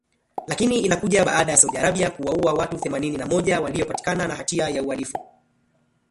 Lakini inakuja baada ya Saudi Arabia kuwaua watu themanini na moja waliopatikana na hatia ya uhalifu.